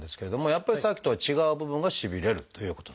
やっぱりさっきとは違う部分がしびれるということなんですかね？